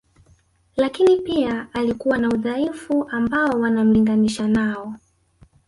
Lakini pia alikuwa na udhaifu ambao wanamlinganisha nao